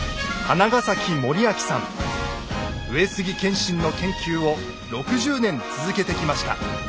上杉謙信の研究を６０年続けてきました。